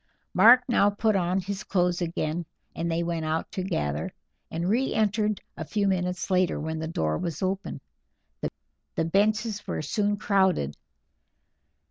Mark now put on his clothes again, and they went out together, and re entered a few minutes later, when the door was open. The benches were soon crowded.